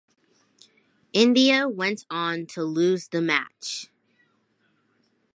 India went on to lose the match.